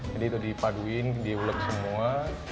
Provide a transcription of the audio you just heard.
jadi itu dipaduin diulek semua